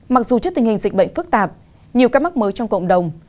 mặc dù trước tình hình dịch bệnh phức tạp nhiều ca mắc mới trong cộng đồng